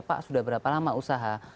pak sudah berapa lama usaha